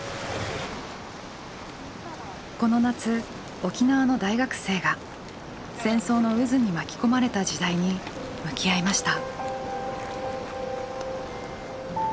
この夏沖縄の大学生が戦争の渦に巻き込まれた時代に向き合いました。